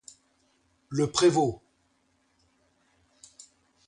le prévôt.